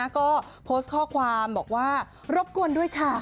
ก็โพสต์ข้อความบอกว่ารบกวนด้วยค่ะ